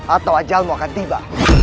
atau ajalmu akan tiba